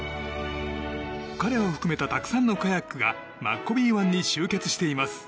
彼を含めたたくさんのカヤックがマッコビー湾に集結しています。